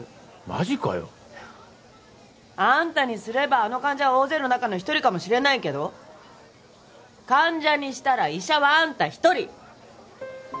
マジかよ。あんたにすればあの患者は大勢の中の一人かもしれないけど患者にしたら医者はあんた一人！